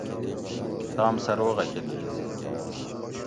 تام سہ روغہ کۤری